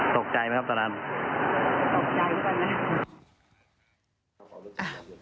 ตกใจไหมครับตอนนั้นตกใจกว่านั้น